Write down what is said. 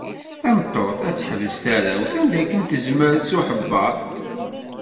Tameṭṭut ad teḥbes tarrawt anda kan tezmer s uḥebber.